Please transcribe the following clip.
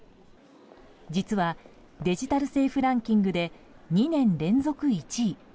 実は、デジタル政府ランキングで２年連続１位。